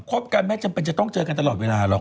บกันไม่จำเป็นจะต้องเจอกันตลอดเวลาหรอก